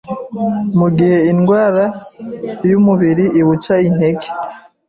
Mu gihe indwara y’umubiri iwuca intege,